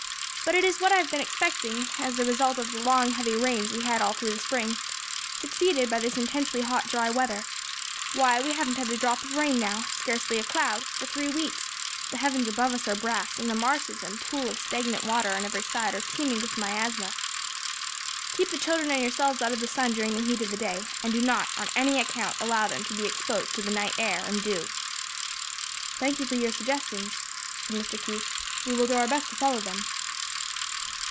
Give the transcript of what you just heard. But it is what I have been expecting as the result of the long heavy rains we had all through the spring, succeeded by this intensely hot, dry weather. Why we haven't had a drop of rain now, scarcely a cloud, for three weeks; the heavens above us are as brass, and the marshes and pools of stagnant water on every side are teeming with miasma. "Keep the children and yourselves out of the sun during the heat of the day, and do not on any account allow them to be exposed to the night air and dew." "Thank you for your suggestions," said Mr. Keith, "we will do our best to follow them."